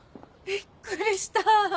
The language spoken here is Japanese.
びっくりした。